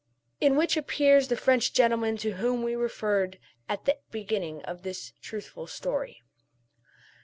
IN WHICH APPEARS THE FRENCH GENTLEMAN TO WHOM WE REFERRED AT THE BEGINNING OF THIS TRUTHFUL STORY.